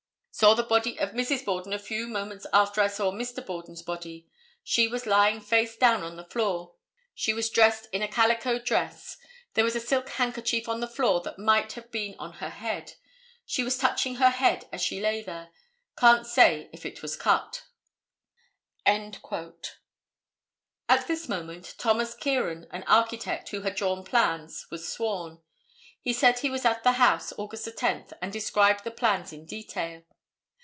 Saw the body of Mrs. Borden a few moments after I saw Mr. Borden's body. She was lying face down on the floor. She was dressed in a calico dress. There was a silk handkerchief on the floor that might have been on her head. It was touching her head as she lay there. Can't say if it was cut." At this moment Thomas Kieran, an architect, who had drawn plans, was sworn. He said he was at the house August 10, and described the plans in detail.